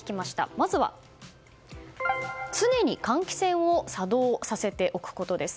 まずは、常に換気扇を作動させておくことです。